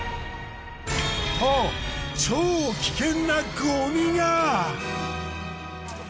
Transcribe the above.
と超危険なごみが！